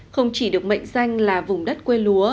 không chỉ được mệnh danh là vùng đất quê lúa